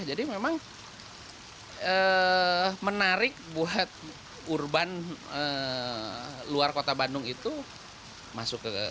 jadi memang menarik buat urban luar kota bandung itu masuk ke kota bandung